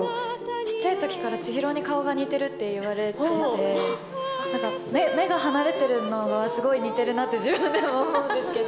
小っちゃいときから千尋に顔が似てると言われてて、目が離れてるのがすごい似てるなって自分でも思うんですけど。